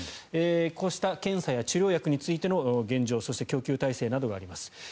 こうした検査や治療薬についての現状そして供給体制などがあります。